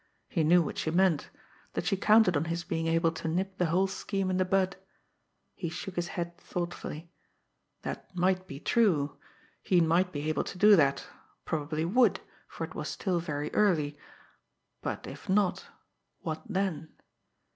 He knew what she meant that she counted on his being able to nip the whole scheme in the bud. He shook his head thoughtfully. That might be true; he might be able to do that, probably would, for it was still very early; but if not what then?